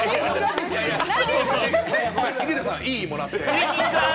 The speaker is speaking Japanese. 井桁さん、いい？もらって。